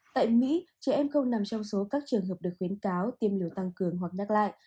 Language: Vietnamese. tại mỹ trẻ em không nằm trong số các trường hợp được khuyến cáo tiêm liều tăng cường hoặc nhắc lại